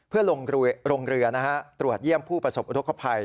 เพื่อลงเรือตรวจเยี่ยมผู้ประสบอุทธกภัย